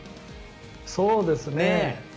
そうですね。